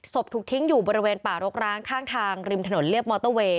ถูกทิ้งอยู่บริเวณป่ารกร้างข้างทางริมถนนเรียบมอเตอร์เวย์